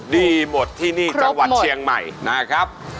ดีหมดที่นี่จังหวัดเชียงใหม่นะครับ